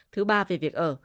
thứ ba về việc ở